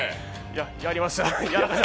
や、やりました。